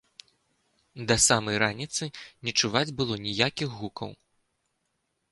Да самай раніцы не чуваць было ніякіх гукаў.